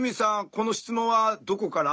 この質問はどこから？